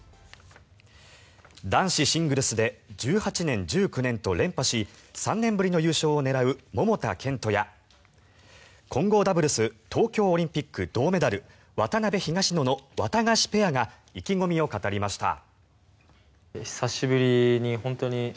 男子シングルスで１８年、１９年と連覇し３年ぶりの優勝を狙う桃田賢斗や混合ダブルス東京オリンピック銅メダル渡辺・東野のワタガシペアが意気込みを語りました。